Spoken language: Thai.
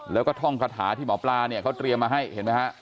แล้วก็ท่องคาถาที่หมอปลาเนี่ยเขาเตรียมมาให้เห็นไหมฮะ